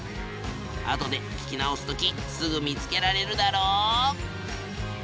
あとで聞き直すときすぐ見つけられるだろ？